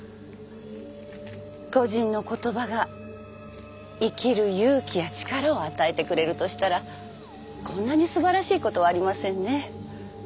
故人の言葉が生きる勇気や力を与えてくれるとしたらこんなに素晴らしいことはありませんね。